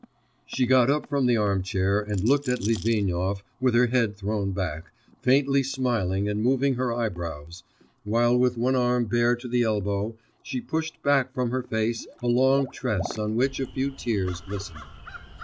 She got up from the arm chair and looked at Litvinov with her head thrown back, faintly smiling and moving her eyebrows, while with one arm bare to the elbow she pushed back from her face a long tress on which a few tears glistened.